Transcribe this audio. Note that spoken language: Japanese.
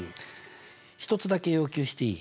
一つだけ要求していい？